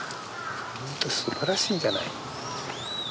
本当すばらしいじゃない。